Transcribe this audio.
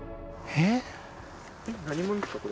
えっ？